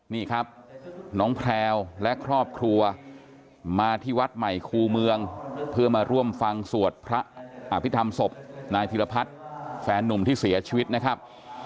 นี่ครับน้องแพลวและครอบครัวมาที่วัดใหม่ครูเมืองเพื่อมาร่วมฟังสวดพระอภิษฐรรมศพนายธิรพัฒน์แฟนนุ่มที่เสียชีวิตนะครับ